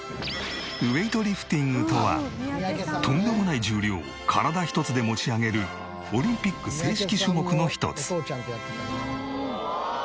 ウエイトリフティングとはとんでもない重量を体一つで持ち上げるオリンピック正式種目の一つ。